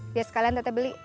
biar sekalian teteh beli